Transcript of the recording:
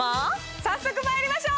早速まいりましょう！